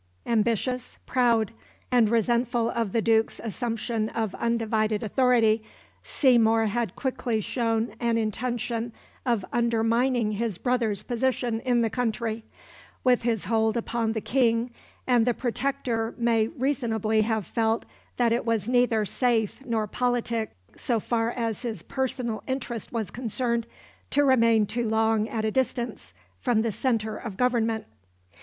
Ambitious, proud, and resentful of the Duke's assumption of undivided authority, Seymour had quickly shown an intention of undermining his brother's position in the country, with his hold upon the King, and the Protector may reasonably have felt that it was neither safe nor politic, so far as his personal interest was concerned, to remain too long at a distance from the centre of government.